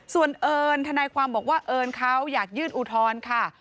ส่วนเอิญทนายความบอกว่าเอิญเขาอยากยื่นอุทธรณ์ค่ะ